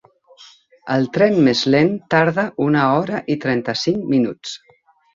El tren més lent tarda una hora i trenta-cinc minuts.